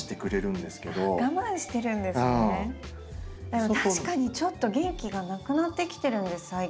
でも確かにちょっと元気がなくなってきてるんです最近。